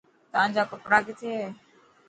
تان جا ڪپڙا ڪٿي هي.